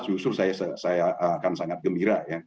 justru saya akan sangat gembira ya